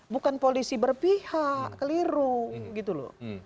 bukan polisi berpihak keliru gitu loh